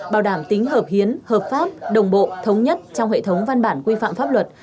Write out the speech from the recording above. bảo đảm tính hợp hiến hợp pháp đồng bộ thống nhất trong hệ thống văn bản quy phạm pháp luật